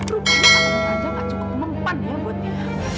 rupanya kata kata aja gak cukup mempan buat dia